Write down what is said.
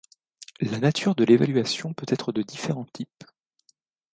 La nature de l'évaluation peut être de différents types.